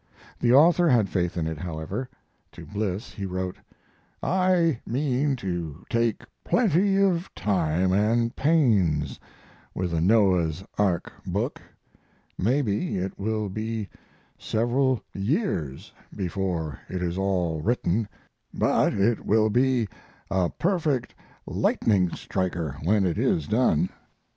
The author had faith in it, however. To Bliss he wrote: I mean to take plenty of time and pains with the Noah's Ark book; maybe it will be several years before it is all written, but it will be a perfect lightning striker when it is done.